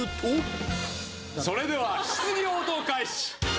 「それでは質疑応答開始！」